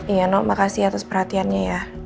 iya nok makasih atas perhatiannya ya